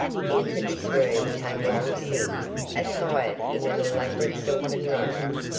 Into this room came Long Sin attired in an elaborate silken robe.